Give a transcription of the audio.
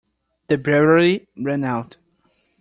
The battery ran out.